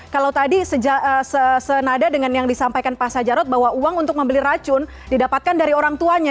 kalau tadi senada dengan yang disampaikan pak sajarot bahwa uang untuk membeli racun didapatkan dari orang tuanya